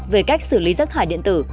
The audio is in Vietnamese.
về cách xử lý rác thải điện tử